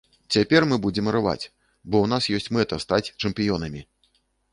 Цяпер мы будзем рваць, бо ў нас ёсць мэта стаць чэмпіёнамі.